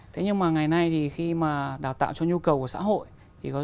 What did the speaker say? thế nhưng mà ngày nay thì khi mà đào tạo cho nhu cầu của xã hội